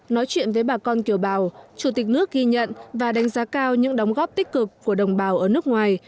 nói chuyện với bà con kiều bào chủ tịch nước ghi nhận và đánh giá cao những đóng góp tích cực của đồng bào ở nước ngoài